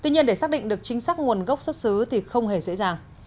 tuy nhiên để xác định được chính xác nguồn gốc xuất xứ thì không hề dễ dàng